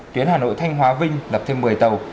tuyến hà nội thanh hóa vinh lập thêm một mươi tàu